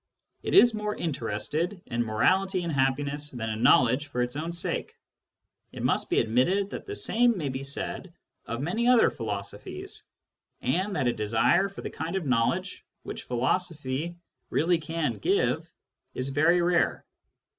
It is more interested in morality and happiness than in knowledge for its own sake. It must be admitted that the same may be said of many other philosophies, and that a desire for the kind of knowledge which philosophy really can give is very rare.